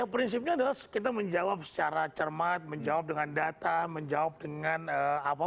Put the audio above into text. prinsipnya adalah kita menjawab secara cermat menjawab dengan data menjawab dengan apa